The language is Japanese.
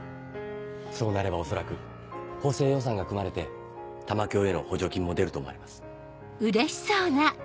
そうなれば恐らく補正予算が組まれて玉響への補助金も出ると思われます。